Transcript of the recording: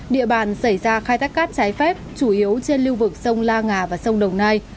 địa bàn xảy ra khai thác cát trái phép chủ yếu trên lưu vực sông la ngà và sông đồng nai